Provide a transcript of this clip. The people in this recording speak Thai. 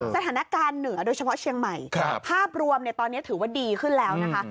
สถานการณ์เหนือโดยเฉพาะเชียงใหม่ภาพรวมตอนนี้ถือว่าดีขึ้นแล้วนะคะ